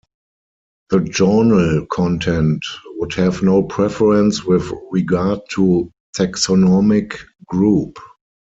The journal content would have no preference with regard to taxonomic group.